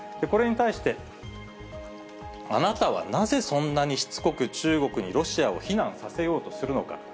これに対して、あなたはなぜそんなにしつこく中国にロシアを非難させようとするのか。